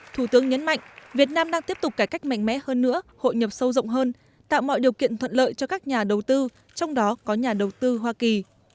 thủ tướng nhấn mạnh việt nam đang tiếp tục cải cách mạnh mẽ hơn nữa hội nhập sâu rộng hơn tạo mọi điều kiện thuận lợi cho các nhà đầu tư trong đó có nhà đầu tư hoa kỳ